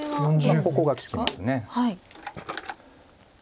ここが利きます。